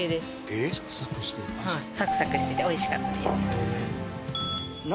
サクサクしてておいしかったです。